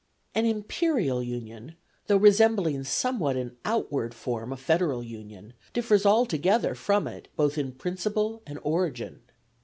An imperial union, though resembling somewhat in outward form a federal union, differs altogether from it both in principle and origin.